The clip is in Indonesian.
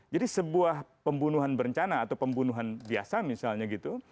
jadi sebuah pembunuhan berencana atau pembunuhan biasa misalnya gitu